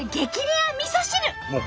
レアみそ汁。